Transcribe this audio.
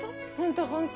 ホント？